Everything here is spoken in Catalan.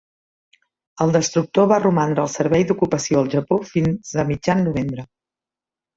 El destructor va romandre al servei d'ocupació al Japó fins a mitjan novembre.